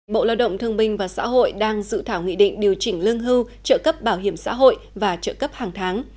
bộ lao động thương minh và xã hội đang dự thảo nghị định điều chỉnh lương hưu trợ cấp bảo hiểm xã hội và trợ cấp hàng tháng